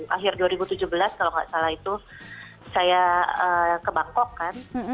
akhir dua ribu tujuh belas kalau nggak salah itu saya ke bangkok kan